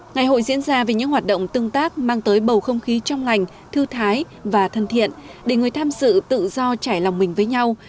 ngày hội diễn ra vì những hoạt động tương tác mang tới bầu không khí trong lành thư thái và thân thiện để người tham sự tự do trải lòng mình với nhau